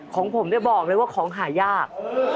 ของผมเนี่ยบอกเลยว่าของหายาก